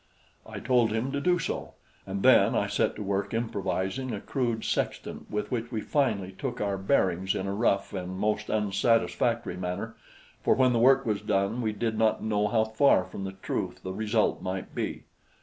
I told him to do so; and then I set to work improvising a crude sextant with which we finally took our bearings in a rough and most unsatisfactory manner; for when the work was done, we did not know how far from the truth the result might be.